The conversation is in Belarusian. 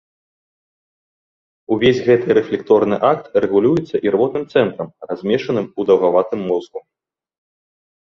Увесь гэты рэфлекторны акт рэгулюецца ірвотным цэнтрам, размешчаным у даўгаватым мозгу.